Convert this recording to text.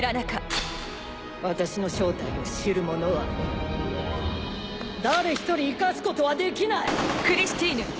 私の正体を知る者は誰一人生かすことはできない！